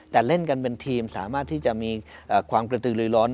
แต่เล่นกันเป็นทีมสามารถที่จะมีความกระตือลือร้อน